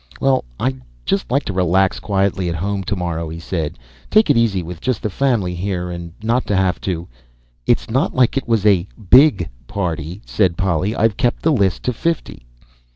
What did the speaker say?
"Well, I'd just like to relax quietly at home tomorrow," he said. "Take it easy with just the family here and not have to " "It's not like it was a big party," said Polly. "I've kept the list to fifty."